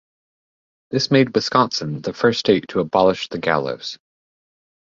This made Wisconsin the first state to abolish the gallows.